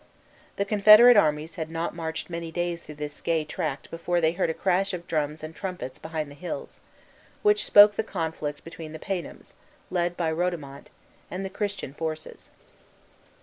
The confederate armies had not marched many days through this gay tract before they heard a crash of drums and trumpets behind the hills, which spoke the conflict between the paynims, led by Rodomont, and the Christian forces.